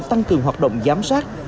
tăng cường hoạt động giám sát